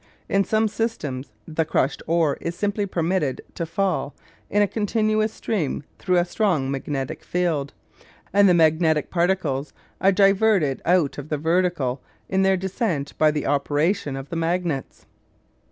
In some systems the crushed ore is simply permitted to fall in a continuous stream through a strong magnetic field, and the magnetic particles are diverted out of the vertical in their descent by the operation of the magnets.